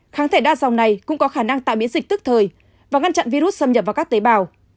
kháng thể đa dòng này cũng có khả năng tạo miễn dịch tức thời và ngăn chặn virus xâm nhập vào các tế bào